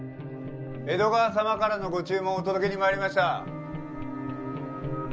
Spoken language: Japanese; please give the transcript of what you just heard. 江戸川様からのご注文をお届けに参りました。